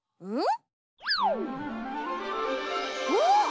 うん！